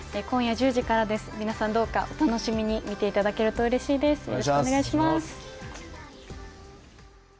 今夜１０時からです、皆さんどうか、楽しみに見ていただけるとうれしいです。